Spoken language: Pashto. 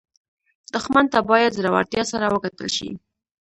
دښمن ته باید زړورتیا سره وکتل شي